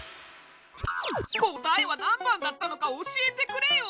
答えは何番だったのか教えてくれよ！